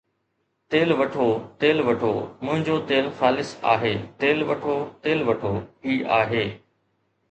تيل وٺو، تيل وٺو، منهنجو تيل خالص آهي، تيل وٺو، تيل وٺو، هي آهي